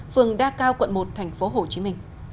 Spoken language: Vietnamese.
phường đa cao quận một tp hcm